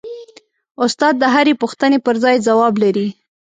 استاد د هرې پوښتنې پرځای ځواب لري.